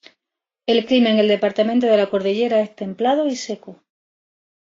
El clima en el departamento de la Cordillera es templado y seco.